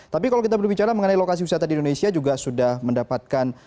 tapi kalau kita berbicara mengenai lokasi wisata di indonesia juga sudah mendapatkan